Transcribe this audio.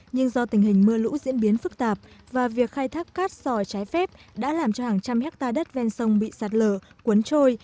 nhưng do tình hình mưa lũ diễn biến phức tạp và việc khai thác cát sỏi trái phép đã làm cho hàng trăm hectare đất ven sông bị sạt lở cuốn trôi